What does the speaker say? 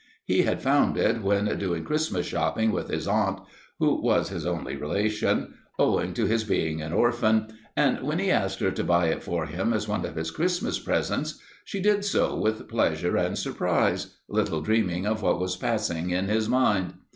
He had found it when doing Christmas shopping with his aunt, who was his only relation, owing to his being an orphan, and when he asked her to buy it for him as one of his Christmas presents, she did so with pleasure and surprise, little dreaming of what was passing in his mind.